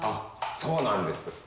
そうなんです。